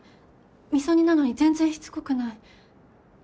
味噌煮なのに全然しつこくない。